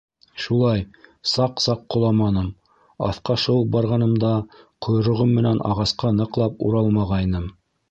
Шулай, саҡ-саҡ ҡоламаным, аҫҡа шыуып барғанымда ҡойроғом менән ағасҡа ныҡлап уралмағайным.